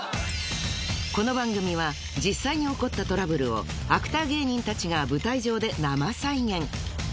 この番組は実際に起こったトラブルをアクター芸人たちが舞台上でナマ再現！